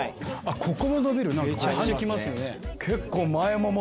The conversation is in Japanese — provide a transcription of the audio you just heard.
ここも伸びる。